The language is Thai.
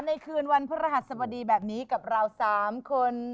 คืนวันพระรหัสบดีแบบนี้กับเรา๓คน